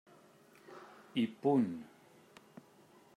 I punt.